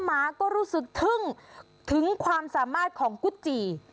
หมาก็รู้สึกทึ่งถึงความสามารถของกุจจี